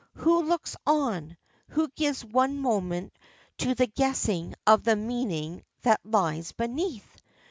Who looks on, who gives one moment to the guessing of the meaning that lies beneath?